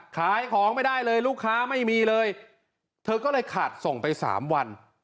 ขายของไม่ได้เลยลูกค้าไม่มีเลยเธอก็เลยขาดส่งไปสามวัน